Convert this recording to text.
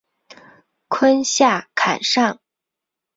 坤下坎上。